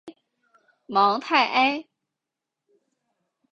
芒泰埃。